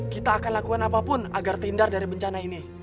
kita akan lakukan apapun agar terhindar dari bencana ini